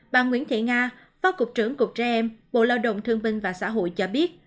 bà nguyễn thị nga phó cục trưởng cục trẻ em bộ lao động thương binh và xã hội cho biết